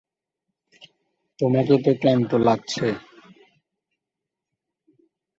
তোমাকে তো ক্লান্ত লাগছে।